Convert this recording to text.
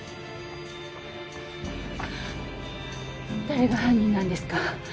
誰が犯人なんですか？